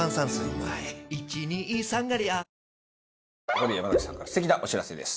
ここで山崎さんから素敵なお知らせです。